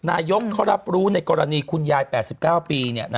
นายกเขารับรู้ในกรณีคุณยาย๘๙ปี